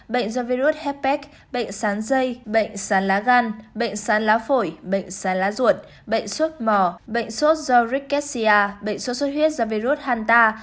bệnh do virus hepac bệnh sán dây bệnh sán lá gan bệnh sán lá phổi bệnh sán lá ruột bệnh sốt mò bệnh sốt do rickettsia bệnh sốt sốt huyết do virus hantar